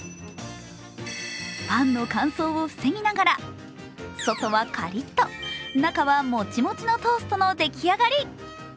パンの乾燥を防ぎながら、外はカリッと、中はモチモチのトーストの出来上がり。